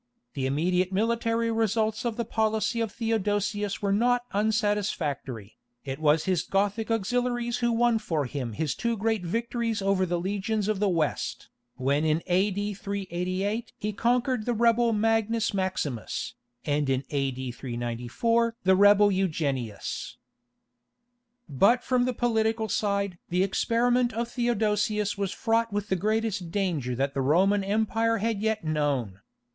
The immediate military results of the policy of Theodosius were not unsatisfactory; it was his Gothic auxiliaries who won for him his two great victories over the legions of the West, when in A.D. 388 he conquered the rebel Magnus Maximus, and in A.D. 394 the rebel Eugenius. Gothic Captives. (From the Column of Arcadius.) But from the political side the experiment of Theodosius was fraught with the greatest danger that the Roman Empire had yet known.